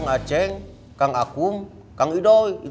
itu yang dipercayai